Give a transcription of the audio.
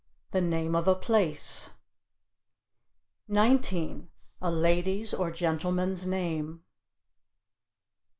"The name of a place." 19. "A lady's or gentleman's name."